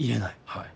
はい。